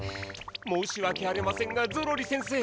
申しわけありませんがゾロリ先生